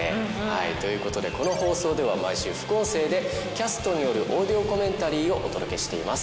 はいということでこの放送では毎週副音声でキャストによるオーディオコメンタリーをお届けしています。